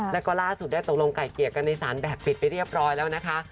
แล้วก็ล่าสุดได้ตกลงไก่เกลียดกันในศาลแบบปิดไปเรียบร้อยแล้วนะคะ